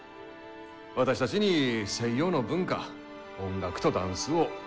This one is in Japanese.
私たちに西洋の文化音楽とダンスを教えてくださいます。